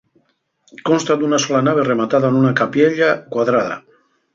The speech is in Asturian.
Consta d'una sola nave rematada nuna capiella cuadrada.